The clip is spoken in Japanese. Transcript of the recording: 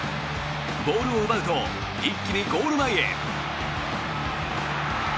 ボールを奪うと一気にゴール前へ。